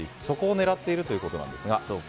そこを狙っているということです。